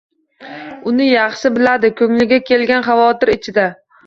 Uni yaxshi biladi, ko‘ngliga kelgan xavotir ichida